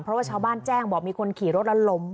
เพราะว่าชาวบ้านแจ้งบอกมีคนขี่รถแล้วล้ม